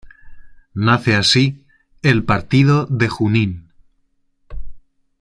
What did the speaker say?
Nace así el partido de Junín.